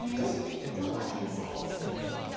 どんな検査をするんでしょう？